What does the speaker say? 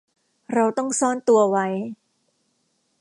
เราต้องซ่อนตัวไว้